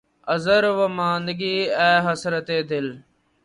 عذر واماندگی، اے حسرتِ دل!